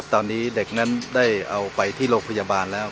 ตอนนี้เด็กนั้นได้เอาไปที่โรงพยาบาลแล้ว